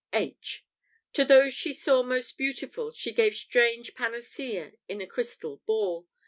] (H) "To those she saw most beautiful, she gave Strange panacea in a crystal bowl.